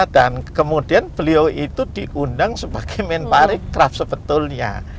dan kemudian beliau itu diundang sebagai menpari kraf sebetulnya